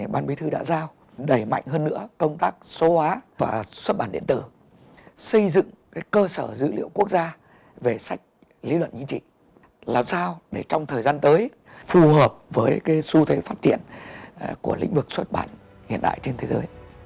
ban bí thư đã giao đẩy mạnh hơn nữa công tác số hóa và xuất bản điện tử